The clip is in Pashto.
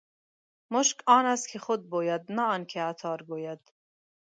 مشک آن است که خود بوید نه آن که عطار ګوید.